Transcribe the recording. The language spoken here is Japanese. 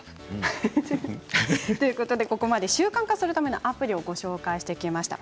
ここまで習慣化するためのアプリをご紹介しました。